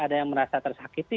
ada yang merasa tersakiti